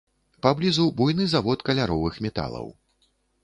Паблізу буйны завод каляровых металаў.